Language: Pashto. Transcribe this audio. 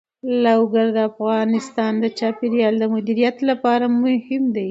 لوگر د افغانستان د چاپیریال د مدیریت لپاره مهم دي.